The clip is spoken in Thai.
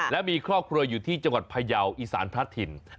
และมีครอบครัวอยู่ที่จังหวัดพยาวอีสานพระถิ่น